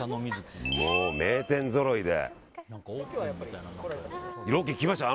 もう、名店ぞろいで。